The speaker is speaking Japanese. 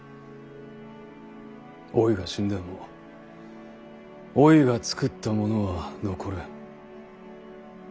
おいが死んでもおいが作ったものは残る。